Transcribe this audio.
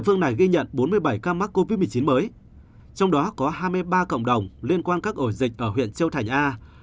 một mươi một ca cộng đồng liên quan các ổ dịch ở huyện châu thành a